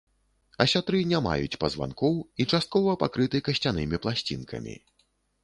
Асятры не маюць пазванкоў і часткова пакрыты касцянымі пласцінкамі.